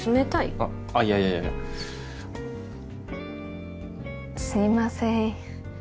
あっいやいやすいません